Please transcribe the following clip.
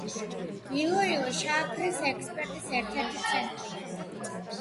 ილოილო შაქრის ექსპორტის ერთ-ერთი ცენტრია.